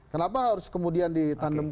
kenapa harus kemudian ditandemkan